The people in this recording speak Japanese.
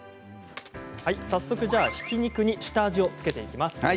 早速ひき肉に下味を付けていきます。